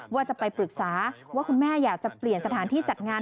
ว่าจะไปปรึกษาว่าคุณแม่อยากจะเปลี่ยนสถานที่จัดงาน